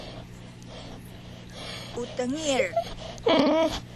u tengil